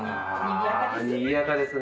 にぎやかです。